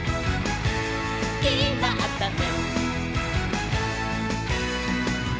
「きまったね！」